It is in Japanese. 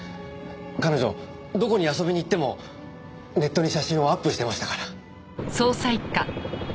彼女どこに遊びに行ってもネットに写真をアップしてましたから。